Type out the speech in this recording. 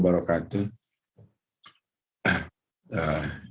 waalaikumsalam warahmatullahi wabarakatuh